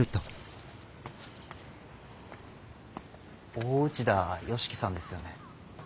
大内田佳基さんですよね？